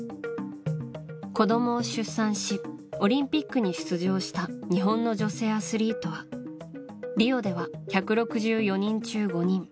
子供を出産しオリンピックに出場した日本の女性アスリートはリオでは１６４人中５人。